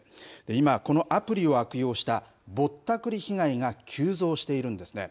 今、このアプリを悪用したぼったくり被害が急増しているんですね。